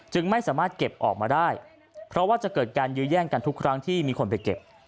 ไม่สามารถเก็บออกมาได้เพราะว่าจะเกิดการยื้อแย่งกันทุกครั้งที่มีคนไปเก็บ